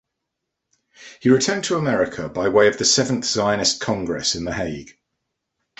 He returned to America by way of the seventh Zionist Congress in The Hague.